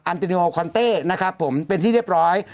ตินิโอคอนเต้นะครับผมเป็นที่เรียบร้อย